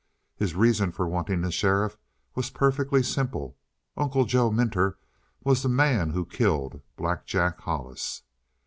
His reason for wanting the sheriff was perfectly simple. Uncle Joe Minter was the man who killed Black Jack Hollis.